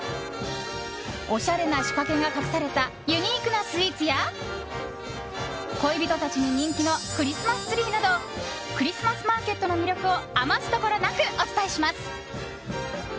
おしゃれな仕掛けが隠されたユニークなスイーツや恋人たちに人気なクリスマスツリーなどクリスマスマーケットの魅力を余すところなくお伝えします。